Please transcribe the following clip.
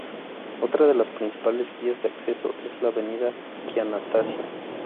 Otra de las principales vías de acceso es la Avenida Giannattasio.